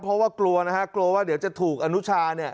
เพราะว่ากลัวนะฮะกลัวว่าเดี๋ยวจะถูกอนุชาเนี่ย